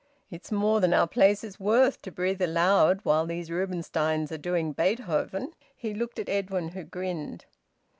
It's more than our place is worth to breathe aloud while these Rubinsteins are doing Beethoven!" He looked at Edwin, who grinned.